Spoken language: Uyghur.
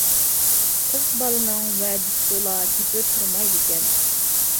قىز بالنىڭ ۋەدىسى تولا، گېپىدە تۇرمايدىكەن.